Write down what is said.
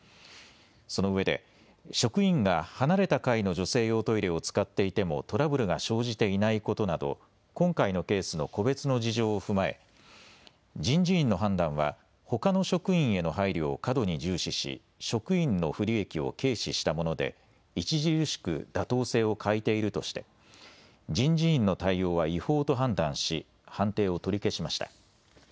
そのうえで職員が離れた階の女性用トイレを使っていてもトラブルが生じていないことなど今回のケースの個別の事情を踏まえ人事院の判断はほかの職員への配慮を過度に重視し職員の不利益を軽視したもので著しく妥当性を欠いているとして人事院の対応は違法と判断し判定を取り消しました。